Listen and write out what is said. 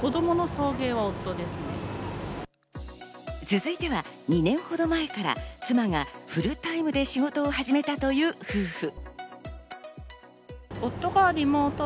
続いては、２年ほど前から妻がフルタイムで仕事を始めたという夫婦。